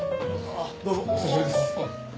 どうもお久しぶりです。